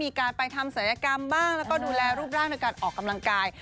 มีการไปทำศัลยกรรมบ้างแล้วก็ดูแลรูปร่างในการออกกำลังกาย